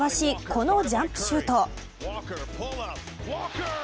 このジャンプシュート。